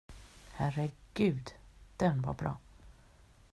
Herregud, den var bra!